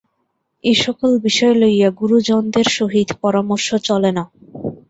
এ-সকল বিষয় লইয়া গুরুজনদের সহিত পরামর্শ চলে না।